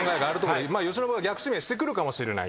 由伸が逆指名してくるかもしれない。